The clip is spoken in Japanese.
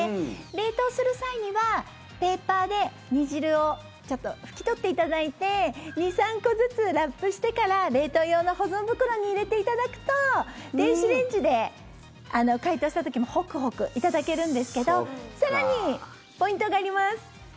冷凍する際にはペーパーで煮汁をちょっと拭き取っていただいて２３個ずつラップしてから冷凍用の保存袋に入れていただくと電子レンジで解凍した時もホクホクいただけるんですけど更にポイントがあります。